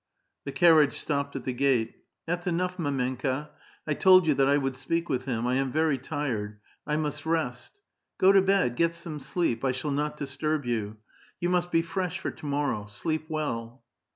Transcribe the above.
The caiTiage stopped at the gate. " That's enough, mdrmnka. I told you that I would speak with him. I am very tired. I must rest." " Go to bed ; get some sleep. I shall not disturb you. You must be fresh for to morrow. Sleep well."